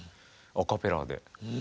アカペラで。